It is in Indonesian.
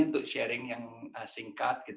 untuk sharing yang singkat